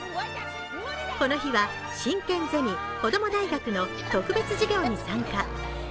この日は進研ゼミこども大学の特別授業に参加。